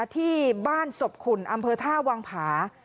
ที่บ้านศพขุนอำเภอท่าวังผา